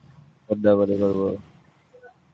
ধন্য মনে করবে?